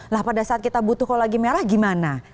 lah pada saat kita butuh kalau lagi merah gimana